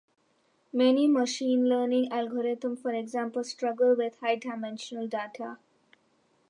Many machine learning algorithms, for example, struggle with high-dimensional data.